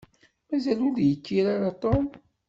Mazal ur d-yekkir ara Tom.